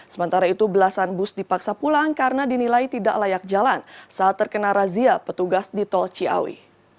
sementara itu belasan bus dipaksa pulang karena dinilai tidak layak jalan saat terkena razia petugas di tol ciawi